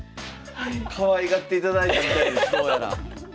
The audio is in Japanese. かわいがっていただいたみたいですどうやら。